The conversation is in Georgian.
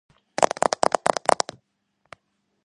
შეფერილია შავად, დასდევს მუქი მწვანე ელფერი.